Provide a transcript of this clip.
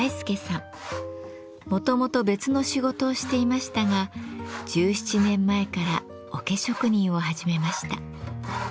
もともと別の仕事をしていましたが１７年前から桶職人を始めました。